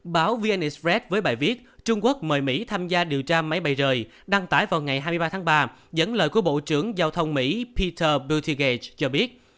báo vn express với bài viết trung quốc mời mỹ tham gia điều tra máy bay rời đăng tải vào ngày hai mươi ba tháng ba dẫn lời của bộ trưởng giao thông mỹ peter boutiga cho biết